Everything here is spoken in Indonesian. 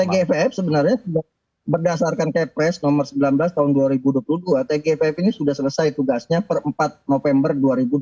tgpf sebenarnya sudah berdasarkan kepres nomor sembilan belas tahun dua ribu dua puluh dua tgpf ini sudah selesai tugasnya per empat november dua ribu dua puluh